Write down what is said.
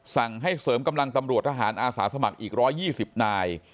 สั่งให้เสริมกำลังตำรวจทหารอาสาสมัครอีก๑๒๐นาย